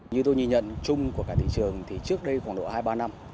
như tôi nhìn nhận chung của cả thị trường thì trước đây khoảng độ hai ba năm